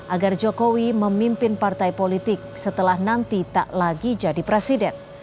agar jokowi memimpin partai politik setelah nanti tak lagi jadi presiden